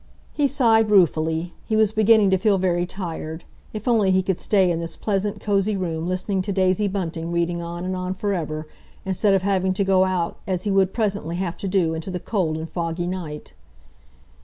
He sighed ruefully. He was beginning to feel very tired; if only he could stay in this pleasant, cosy room listening to Daisy Bunting reading on and on for ever, instead of having to go out, as he would presently have to do, into the cold and foggy night!